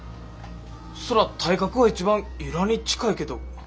そら体格は一番由良に近いけど。